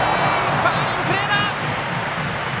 ファインプレーだ！